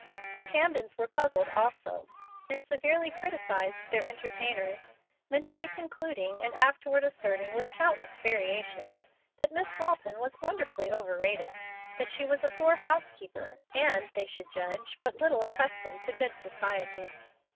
The Camdens were puzzled also, and severely criticised their entertainers, mentally concluding and afterward asserting, with countless variations, that Miss Walton was wonderfully overrated that she was a poor housekeeper, and, they should judge, but little accustomed to good society.